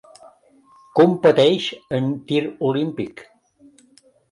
Competeix en tir olímpic.